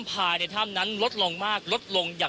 คุณทัศนาควดทองเลยค่ะ